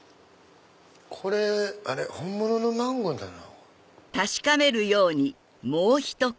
これ本物のマンゴーだな。